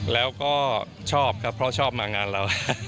แล้วก็ชอบครับเพราะชอบมางานเรา